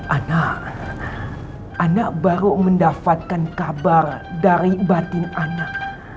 anak anak baru mendapatkan kabar dari batin anak